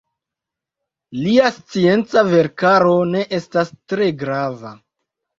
Lia scienca verkaro ne estas tre grava.